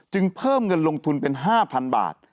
เพิ่มเงินลงทุนเป็น๕๐๐๐บาท